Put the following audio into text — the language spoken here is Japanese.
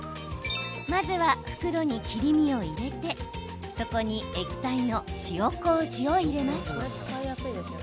まずは袋に切り身を入れてそこに液体の塩こうじを入れます。